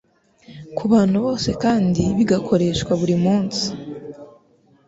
ku bantu bose kandi bigakoreshwa buri munsi.